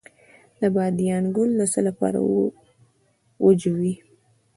د بادیان ګل د څه لپاره وژويئ؟